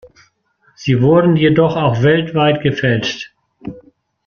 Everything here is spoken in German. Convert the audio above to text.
Sie wurden jedoch auch weltweit gefälscht.